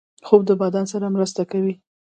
خوب د بدن سره مرسته کوي